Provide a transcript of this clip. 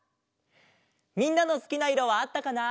みんなのすきないろはあったかな？